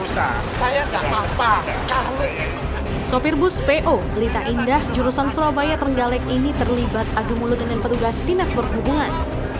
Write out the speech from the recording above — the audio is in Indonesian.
sopir bus po belita indah jurusan surabaya trenggalek ini terlibat adu mulut dengan petugas dinas perhubungan